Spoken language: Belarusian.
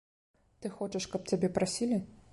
Ты хочаш, каб цябе прасілі?